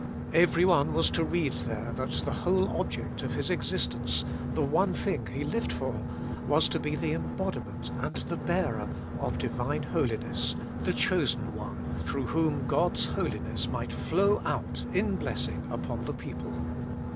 Every one was to read there that the whole object of his existence, the one thing he lived for, was, to be the embodiment and the bearer of the Divine holiness, the chosen one through whom God's holiness might flow out in blessing upon the people.